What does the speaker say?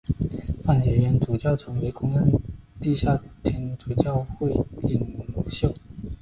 范学淹主教成为公认的地下天主教会领袖。